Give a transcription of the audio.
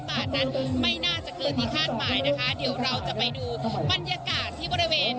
บาทนั้นไม่น่าจะเกินที่คาดหมายนะคะเดี๋ยวเราจะไปดูบรรยากาศที่บริเวณ